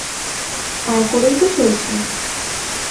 তাই করেই তো চলছে।